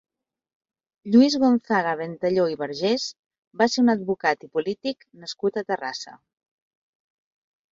Lluís Gonzaga Ventalló i Vergés va ser un advocat i polític nascut a Terrassa.